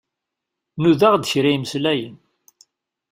Nudaɣ-d kra imslayen.